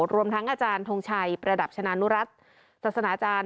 รวมทั้งอาจารย์ทงชัยประดับชนะนุรัติศาสนาอาจารย์